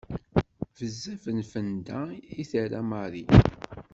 Bezzaf n tfenda i d-terra Marie.